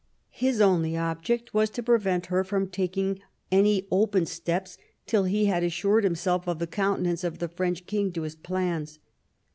His only object was to prevent her from taking any open steps till he had assured himself of the countenance of the French king to his plans.